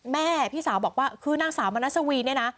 พี่สาวบอกว่าคือนางสาวมนัสวีเนี่ยนะ